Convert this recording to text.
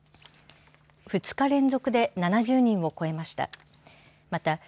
２日連続で７０人を超えました。